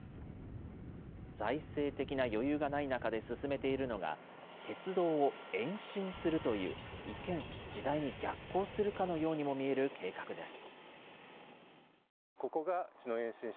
財政的な余裕がない中で進めているのが、鉄道を延伸するという、一見、時代に逆行するかのようにも見える計画です。